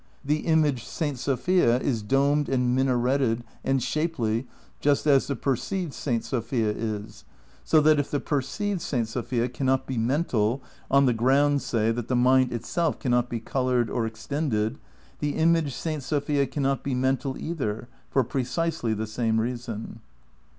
The imaged St. Sofia is domed and minaretted and shapely just as the perceived St. Sofia is, so that if the perceived St. Sofia cannot be mental (on the ground, say, that the mind itself cannot be coloured or extended) the imaged St. Sofia cannot be mental either (for precisely the same reason)."'